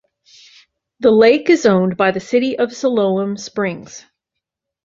The lake is owned by the City of Siloam Springs.